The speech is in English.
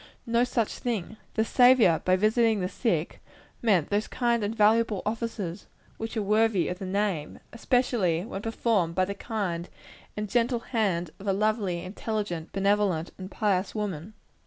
No such thing. The Saviour, by visiting the sick, meant those kind and valuable offices which are worthy of the name; especially, when performed by the kind and gentle hand of a lovely, intelligent, benevolent and pious woman.